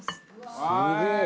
「はい！